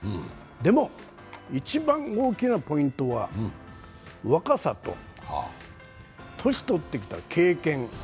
でも、一番大きなポイントは、若さと年取ってきた経験。